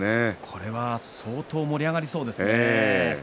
これは相当盛り上がりそうですよね。